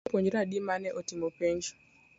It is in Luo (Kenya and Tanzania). Gin jopuonjre adi mane otim penj.